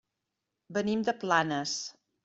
Venim de Planes.